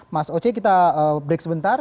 mas oce kita break sebentar